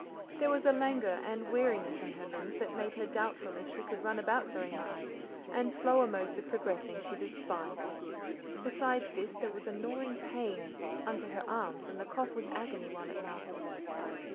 There was a languor and weariness in her limbs that made her doubtful if she could run about very much, and slower modes of progressing she despised. Besides this, there was a gnawing pain, under her arms, and the cough was agony while it lasted.